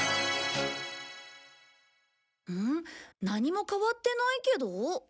何も変わってないけど。